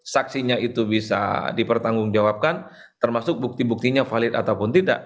saksinya itu bisa dipertanggungjawabkan termasuk bukti buktinya valid ataupun tidak